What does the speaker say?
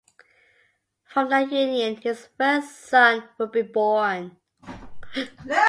From that union his first son would be born.